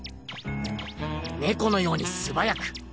ねこのようにすばやく。